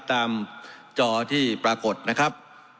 จอที่ปรากฏนะครับ